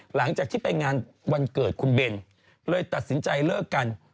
หลังจากที่ไปงานวันเกิดคุณเบนเลยตัดสินใจเลิกกัน